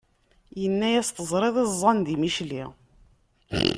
Yenna-yas teẓriḍ iẓẓan di Micli!